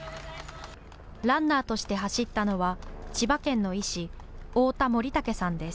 ランナーとして走ったのは千葉県の医師、太田守武さんです。